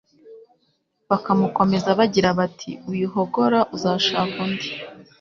bakamukomeza bagira bati Wihogora uzashaka undi